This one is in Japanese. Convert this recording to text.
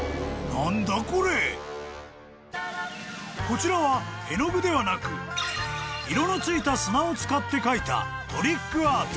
［こちらは絵の具ではなく色の付いた砂を使って描いたトリックアート］